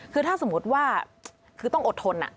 คือถ้าสมมุติว่าคือต้องอดทน